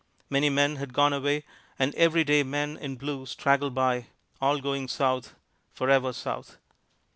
Many men had gone away; and every day men in blue straggled by, all going south, forever south.